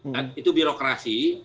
kan itu birokrasi